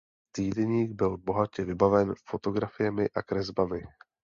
Týdeník byl bohatě vybaven fotografiemi a kresbami.